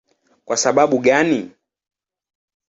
Kwa sababu gani?